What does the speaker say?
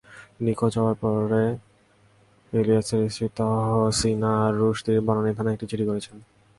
নিখোঁজ হওয়ার পরে ইলিয়াসের স্ত্রী তাহসিনা রুশদীর বনানী থানায় একটি জিডি করেছেন।